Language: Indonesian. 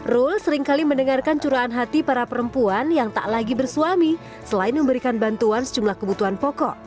rule seringkali mendengarkan curahan hati para perempuan yang tak lagi bersuami selain memberikan bantuan sejumlah kebutuhan pokok